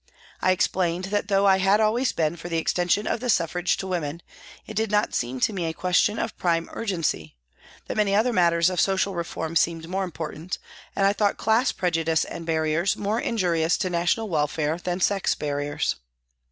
I explained that though I had always been for the extension of the suffrage to women, it did not seem to me a question of prime urgency, that many other matters of social reform seemed more important, and I thought class pre judice and barriers more injurious to national welfare than sex barriers.